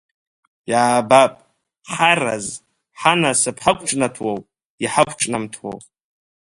Иаабап, Ҳараз, ҳанасыԥ ҳақәҿнаҭуоу, иҳақәҿнамҭуоу.